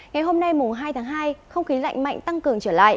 ngày hôm nay hai tháng hai không khí lạnh mạnh tăng cường